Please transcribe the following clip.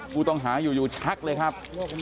ผู้ต้องหาอยู่ชักเลยครับ